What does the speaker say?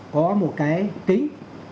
có một cái tính